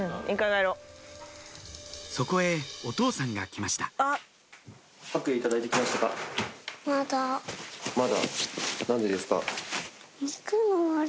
そこへお父さんが来ましたまだ？